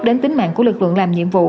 đến tính mạng của lực lượng làm nhiệm vụ